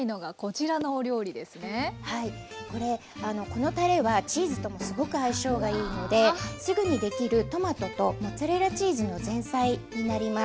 このたれはチーズともすごく相性がいいのですぐにできるトマトとモッツァレラチーズの前菜になります。